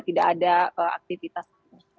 tidak ada aktivitas lain